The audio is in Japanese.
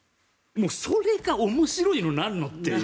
それが面白いのなんのっていう。